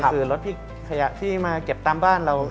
คือรถพลิกขยะที่มาเก็บตามบ้านเรา